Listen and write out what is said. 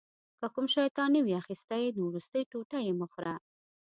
که کوم شی تا نه وي اخیستی نو وروستی ټوټه یې مه خوره.